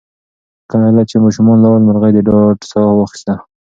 کله چې ماشومان لاړل، مرغۍ د ډاډ ساه واخیسته.